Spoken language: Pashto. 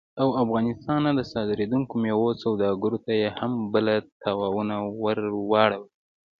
او افغانستان نه د صادرېدونکو میوو سوداګرو ته یې هم بلا تاوانونه ور واړول